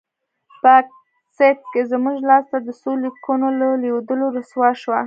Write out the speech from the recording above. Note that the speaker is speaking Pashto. په اګست کې زموږ لاسته د څو لیکونو له لوېدلو رسوا شوه.